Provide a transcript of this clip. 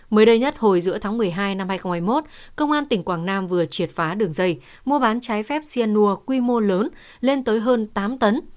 mới đây nhất hồi giữa tháng một mươi hai năm hai nghìn hai mươi một công an tỉnh quảng nam vừa triệt phá đường dây mua bán trái phép xianur quy mô lớn lên tới hơn tám tấn